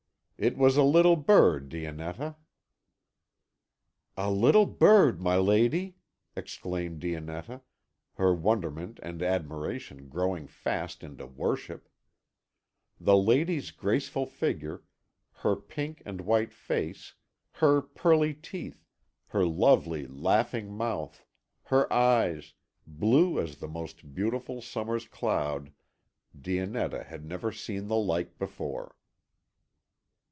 "It was a little bird, Dionetta." "A little bird, my lady!" exclaimed Dionetta, her wonderment and admiration growing fast into worship. The lady's graceful figure, her pink and white face, her pearly teeth, her lovely laughing mouth, her eyes, blue as the most beautiful summer's cloud Dionetta had never seen the like before.